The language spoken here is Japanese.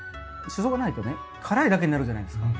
シソがないとね辛いだけになるじゃないですか。